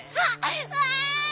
わい！